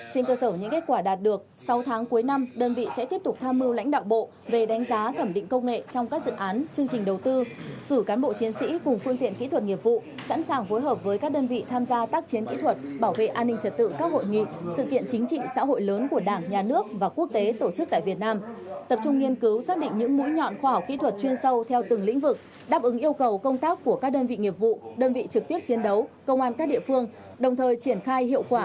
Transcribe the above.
trên cơ sở những kết quả đạt được sau tháng cuối năm đơn vị sẽ tiếp tục tham mưu lãnh đạo bộ về đánh giá thẩm định công nghệ trong các dự án chương trình đầu tư cử cán bộ chiến sĩ cùng phương tiện kỹ thuật nghiệp vụ sẵn sàng phối hợp với các đơn vị tham gia tác chiến kỹ thuật bảo vệ an ninh trật tự các hội nghị sự kiện chính trị xã hội lớn của đảng nhà nước và quốc tế tổ chức tại việt nam tập trung nghiên cứu xác định những mũi nhọn khoa học kỹ thuật chuyên sâu theo từng lĩnh vực đáp ứng yêu cầu công tác của